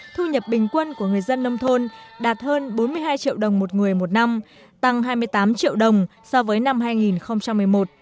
thu nhập bình quân của người dân nông thôn đạt hơn bốn mươi hai triệu đồng một người một năm tăng hai mươi tám triệu đồng so với năm hai nghìn một mươi một